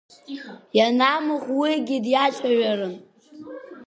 Ианамух уигьы диацәажәарын.